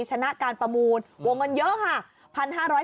ชนะการประมูลโวงเงินเยอะค่ะ๑๕๐๐กว่าล้าน